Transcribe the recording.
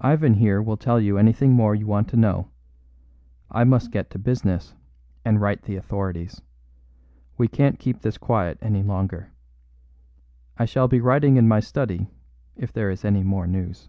Ivan here will tell you anything more you want to know; I must get to business and write to the authorities. We can't keep this quiet any longer. I shall be writing in my study if there is any more news."